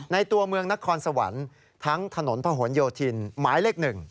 ตัวเมืองนครสวรรค์ทั้งถนนพะหนโยธินหมายเลข๑